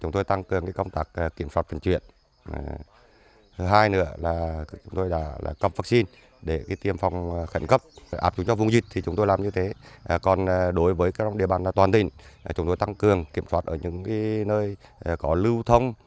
bên cạnh đó cũng đã cấp ba trăm linh liều vaccine để tiêm phòng những vùng có dịch vùng có nguy cơ cao